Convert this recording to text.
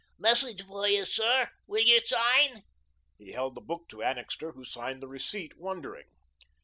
"Message for you, sir. Will you sign?" He held the book to Annixter, who signed the receipt, wondering.